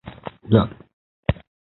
هل اتصلت بماريكا من قبل؟